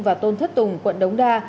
và tôn thất tùng quận đống đa